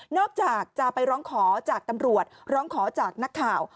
จากจะไปร้องขอจากตำรวจร้องขอจากนักข่าว